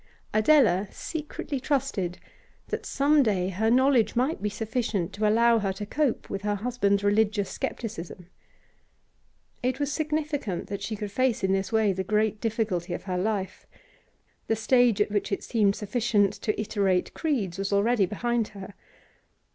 Adela secretly trusted that some day her knowledge might be sufficient to allow her to cope with her husband's religious scepticism. It was significant that she could face in this way the great difficulty of her life; the stage at which it seemed sufficient to iterate creeds was already behind her.